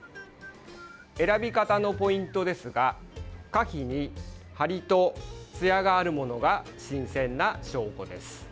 選び方のポイントですが果皮にハリとツヤがあるものが新鮮な証拠です。